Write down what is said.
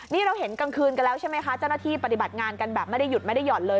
นี่เราเห็นกลางคืนกันแล้วใช่ไหมคะเจ้าหน้าที่ปฏิบัติงานกันแบบไม่ได้หยุดไม่ได้ห่อนเลย